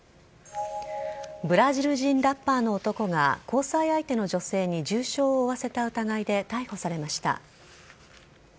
ブラジル人ラッパーの男が交際相手の女性に重傷を負わせた疑いで逮捕されました。